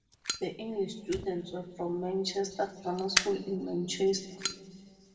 The English students were from Manchester Grammar School in Manchester.